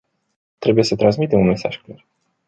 Trebuie să transmitem un mesaj clar.